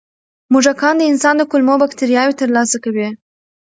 موږکان د انسان د کولمو بکتریاوو ترلاسه کوي.